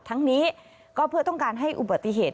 ทั้งนี้ก็เพื่อต้องการให้อุบัติเหตุ